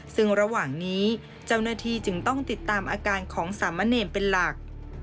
ซึ่งระหว่างนี้เจ้าหน้าที่จึงต้องติดตามอาการของสามะเนรเป็นหลัก